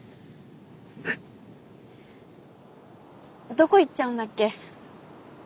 どこ行っちゃうんだっけ？